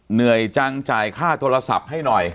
เหนื่อยจังจ่ายค่าโทรศัพท์ให้หน่อย